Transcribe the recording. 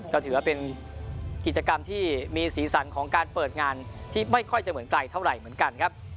ก็ถือว่าเป็นกิจกรรมที่มีสีสันของการเปิดงานที่ไม่ค่อยจะเหมือนไกลเท่าไหร่เหมือนกันครับ